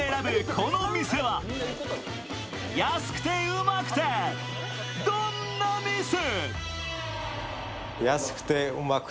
この店は安くてウマくてどんな店？